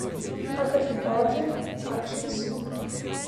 Kakršen oče, takšen sin.